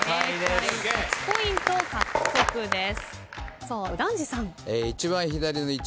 青２ポイント獲得です。